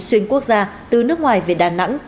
xuyên quốc gia từ nước ngoài về đà nẵng